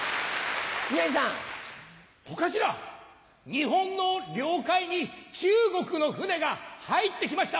日本の領海に中国の船が入ってきました。